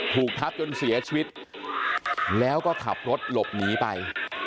ถูกทับจนเสียชีวิตแล้วก็ขับรถหลบหนีไป